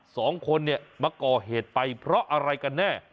สองคนเนี่ยมาก่อเหตุไปเพราะอะไรกันแน่